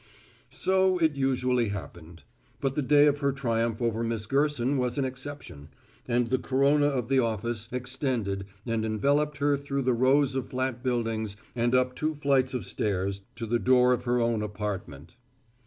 So it usually happened. But the day of her triumph over Miss Gerson was an exception, and the corona of the office extended and enveloped her through the rows of flat buildings and up two flights of stairs to the door of her own apartment.